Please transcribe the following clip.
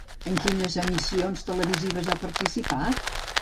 En quines emissions televisives ha participat?